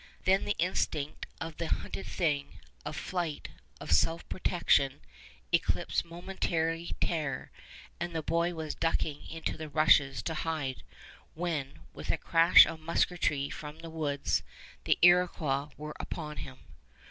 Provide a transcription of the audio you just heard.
Then the instinct of the hunted thing, of flight, of self protection, eclipsed momentary terror, and the boy was ducking into the rushes to hide when, with a crash of musketry from the woods, the Iroquois were upon him.